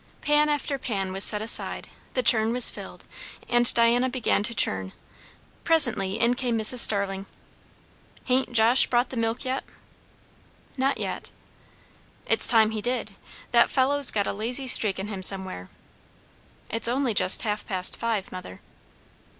Pan after pan was set aside; the churn was filled; and Diana began to churn. Presently in came Mrs. Starling. "Hain't Josh brought the milk yet?" "Not yet." "It's time he did. That fellow's got a lazy streak in him somewhere." "It's only just half past five, mother."